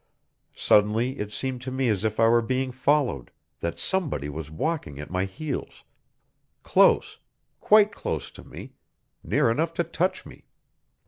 Suddenly it seemed to me as if I were being followed, that somebody was walking at my heels, close, quite close to me, near enough to touch me.